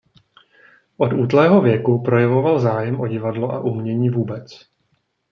Od útlého věku projevoval zájem o divadlo a umění vůbec.